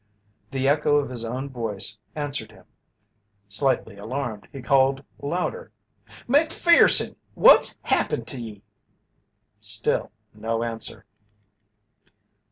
The echo of his own voice answered him. Slightly alarmed he called louder: "Macpherson! What's happened to ye?" Still no answer.